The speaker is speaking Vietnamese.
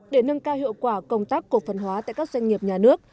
để nâng cao hiệu quả công tác cổ phần hóa tại các doanh nghiệp nhà nước